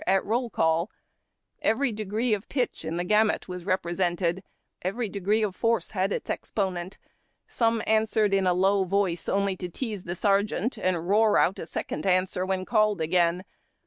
"''at roll call. Every degree of pitch in the gamut was represented. Every degree of force had its exponent. Some answered in a low voice, only to tease the sergeant, and roar out a second answer when called again.